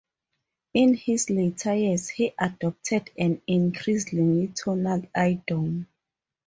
In his later years, he adopted an increasingly tonal idiom.